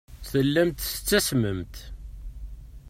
Tellamt tettasmemt.